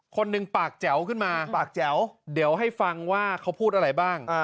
คนหนึ่งปากแจ๋วขึ้นมาปากแจ๋วเดี๋ยวให้ฟังว่าเขาพูดอะไรบ้าง